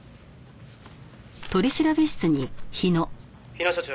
「日野所長